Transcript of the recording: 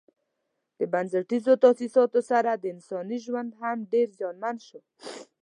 د بنسټیزو تاسیساتو سره انساني ژوند هم ډېر زیانمن شو.